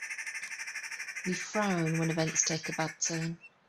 We frown when events take a bad turn.